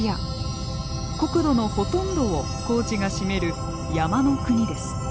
国土のほとんどを高地が占める山の国です。